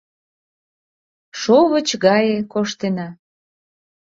Шовыч гае коштена.